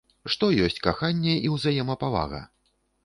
Што ёсць каханне і ўзаемапавага?